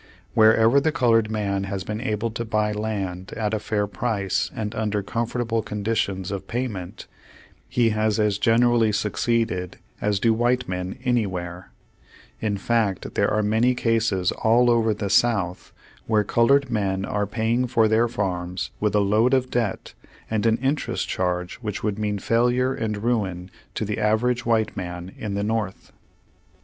Wherever the colored man has been able to buy 'Penal code of Georgia, Vol. II, 1010, p. 'JO. Page Two Hundred five land, at a fair price and under comfortable condi tions of payment, he has as generally succeeded, as do white men anywhere. In fact, there are many cases all over the South wliere colored men are paying for their farms with a load of debt and an interest charge which would m.ean failure and ruin to the average white man in the North.